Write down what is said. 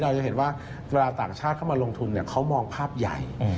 เราจะเห็นว่าเวลาต่างชาติเข้ามาลงทุนเขามองภาพใหญ่